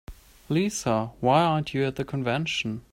Lisa, why aren't you at the convention?